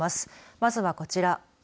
まずはこちら。